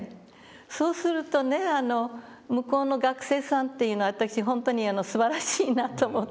そうするとね向こうの学生さんというのは私本当にすばらしいなと思ったの。